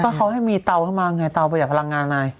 ก็เขาให้มีเตาเข้ามาไงเตาประหัดพลังงานไง